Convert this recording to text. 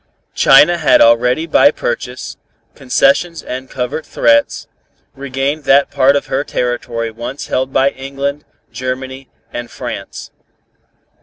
China had already by purchase, concessions and covert threats, regained that part of her territory once held by England, Germany and France.